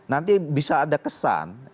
nanti bisa ada kesan